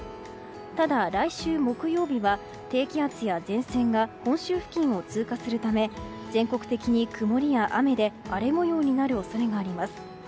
ただ、来週木曜日は低気圧や前線が本州付近を通過するため全国的に曇りや雨で荒れ模様になる恐れがあります。